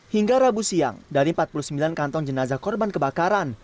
hingga rabu siang dari empat puluh sembilan kantong jenazah korban kebakaran